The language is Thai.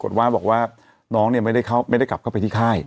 กฎว้านบอกว่าน้องเนี้ยไม่ได้เข้าไม่ได้กลับเข้าไปที่ค่าย